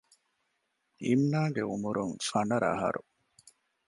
އިމްނާގެ އުމުރުން ފަނަރަ އަހަރު